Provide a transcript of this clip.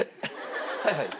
はいはい。